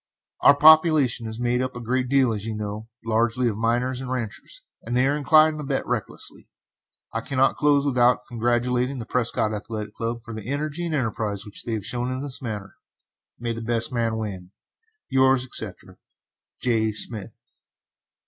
Our population is made up a great deal, as you know, largely of miners and ranchers, and they are inclined to bet recklessly. I cannot close without congratulating the Prescott Athletic Club for the energy and enterprise they have shown in this matter. May the best man win! Yours, etc., J. SMITH.